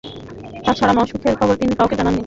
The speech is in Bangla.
তা ছাড়া অসুখের খবর তিনি কাউকে জানান নি।